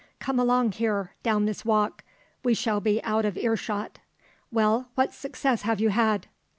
Come along here, down this walk; we shall be out of ear shot. Well, what success have you had?"